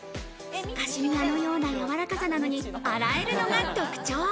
カシミアのようなやわらかさなのに洗えるのが特徴。